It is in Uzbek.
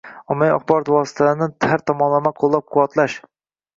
Ommaviy axborot vositalarini har tomonlama qo‘llab-quvvatlash